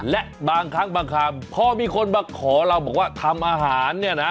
และบางครั้งบางคำพอมีคนมาขอเราบอกว่าทำอาหารเนี่ยนะ